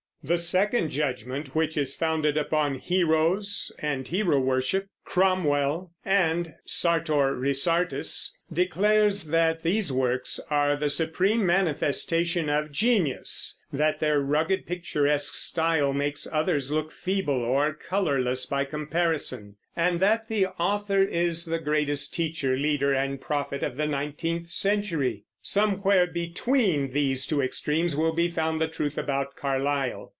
The second judgment, which is founded upon Heroes and Hero Worship, Cromwell, and Sartor Resartus, declares that these works are the supreme manifestation of genius; that their rugged, picturesque style makes others look feeble or colorless by comparison; and that the author is the greatest teacher, leader, and prophet of the nineteenth century. Somewhere between these two extremes will be found the truth about Carlyle.